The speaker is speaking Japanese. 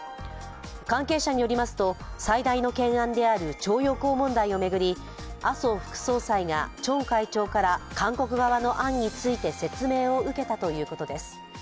関係者によりますと最大の懸案である徴用工問題を巡り麻生副総裁がチョン会長から韓国側の案について説明を受けたということです。